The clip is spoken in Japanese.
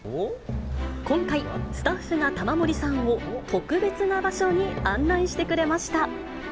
今回、スタッフが玉森さんを特別な場所に案内してくれました。